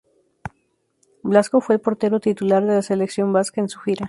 Blasco fue el portero titular de la selección vasca en su gira.